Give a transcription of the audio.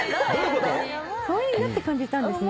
カワイイなって感じたんですね。